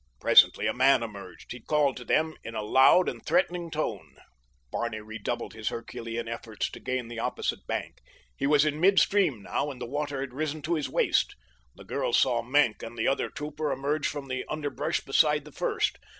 Presently a man emerged. He called to them in a loud and threatening tone. Barney redoubled his Herculean efforts to gain the opposite bank. He was in midstream now and the water had risen to his waist. The girl saw Maenck and the other trooper emerge from the underbrush beside the first.